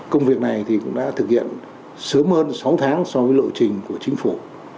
công việc này cũng đã thực hiện sớm hơn sáu tháng so với lộ trình của chính phủ